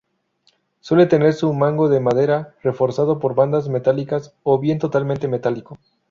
Suele tener su mango de madera reforzado por bandas metálicas, o bien totalmente metálico.